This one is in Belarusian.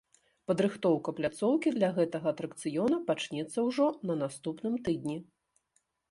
Падрыхтоўка пляцоўкі для гэтага атракцыёна пачнецца ўжо на наступным тыдні.